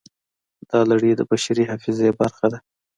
دا لړۍ د بشري حافظې برخه ده.